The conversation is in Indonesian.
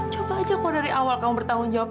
coba aja kok dari awal kamu bertanggung jawab